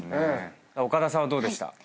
岡田さんはどうでした？